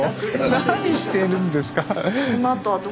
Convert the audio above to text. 何してるんですか。